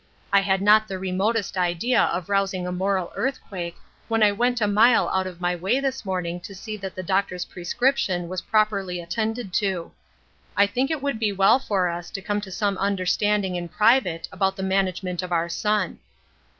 I had not the remotest idea of rousing a moral earthquake when I went a mile out of my way this morning to see that the doctor's prescrip tion was properly attended to. I think it would be well for us to come to some understanding in private about the management of our son."